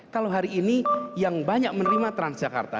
kalau hari ini yang banyak menerima transjakarta